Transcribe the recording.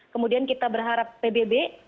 kemudian kita berharap pbb